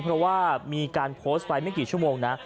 เพราะว่ามีการโพสต์ไปไม่กี่ชั่วโมงนะ